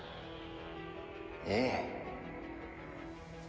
ええ。